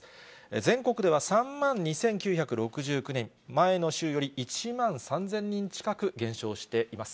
全国では３万２９６９人、前の週より１万３０００人近く減少しています。